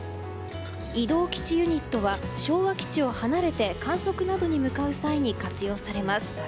移動基地ユニットは昭和基地を離れて観測などに向かう際に活用されます。